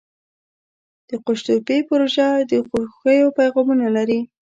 د قوشتېپې پروژه د خوښیو پیغامونه لري.